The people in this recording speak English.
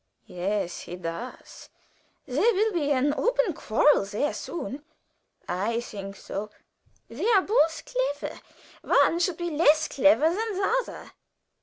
"Yes, he does." "There will be an open quarrel there soon." "I think so." "They are both clever; one should be less clever than the other."